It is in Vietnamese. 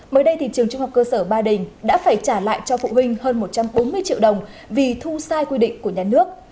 mới đây trường trung học cơ sở ba đình đã phải trả lại cho phụ huynh hơn một trăm bốn mươi triệu đồng vì thu sai quy định của nhà nước